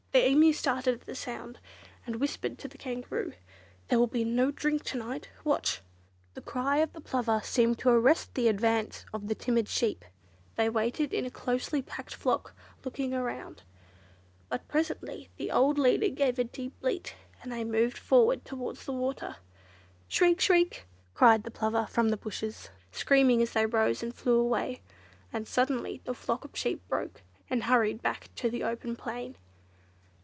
The Emu started at the sound, and whispered to the Kangaroo, "There'll be no drink to night. Watch!" The cry of the Plover seemed to arrest the advance of the timid sheep. They waited in a closely packed flock, looking around. But presently the old leader gave a deep bleat, and they moved forward towards the water. "Shriek! Shriek!" cried the Plover from the bushes, screaming as they rose and flew away; and suddenly the flock of sheep broke and hurried back to the open plain.